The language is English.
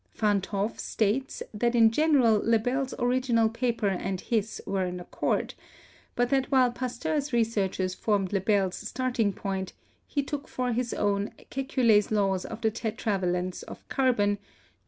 Van 't Hoff states that in general Le Bel's original paper and his were in accord, but that while Pasteur's researches formed Le Bel's starting point, he took for his own ''Ke kule's law of the tetravalence of carbon, [to which he] C0 2 H CO..